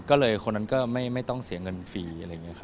ก็เลยคนนั้นก็ไม่ต้องเสียเงินฟรี